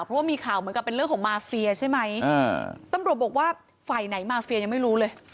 เพราะว่ามีข่าวเหมือนกับเป็นเรื่องของมาเฟียใช่ไหมตำรวจบอกว่าฝ่ายไหนมาเฟียยังไม่รู้เลย